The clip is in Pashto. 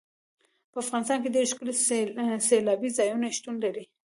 په افغانستان کې ډېر ښکلي سیلاني ځایونه شتون لري.